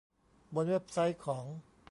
บนเว็บไซต์ของ